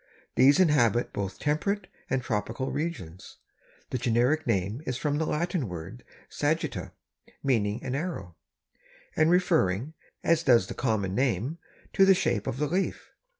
These inhabit both temperate and tropical regions. The generic name is from the Latin word sagitta, meaning an arrow, and referring, as does the common name, to the shape of the leaf.